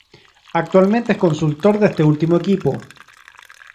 Actualmente es consultor de este último equipo.